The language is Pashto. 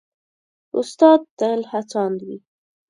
استاد تل هڅاند وي.